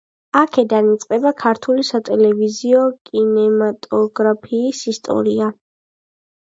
აქედან იწყება ქართული სატელევიზიო კინემატოგრაფიის ისტორია.